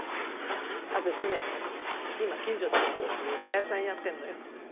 あたしね今近所でお総菜屋さんやってんのよ。